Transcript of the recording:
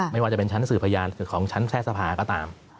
ไม่ว่าจะเป็นชั้นสื่อพยานของชั้นแทรกสภาก็ตาม